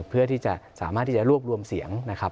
เพื่อที่จะสามารถที่จะรวบรวมเสียงนะครับ